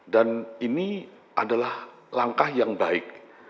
dan ini adalah langkah yang baik